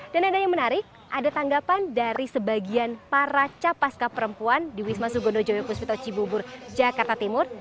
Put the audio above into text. dan ada yang menarik ada tanggapan dari sebagian para capaskap perempuan di wisma sugondo joyo puswito cibubur jakarta timur